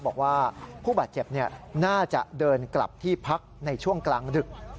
บอกว่าผู้บาดเจ็บน่าจะเดินกลับที่พักในช่วงกลางดึก